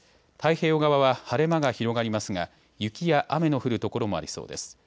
太平洋側は晴れ間が広がりますが雪や雨の降る所もありそうです。